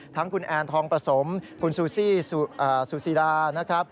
ทั้งคุณแอนทองประสมคุณซูซี่ซูซีดานะครับ